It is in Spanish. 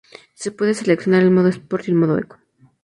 Se puede seleccionar el modo Sport y el modo Eco.